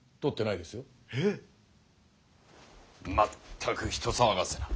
まったく人騒がせな。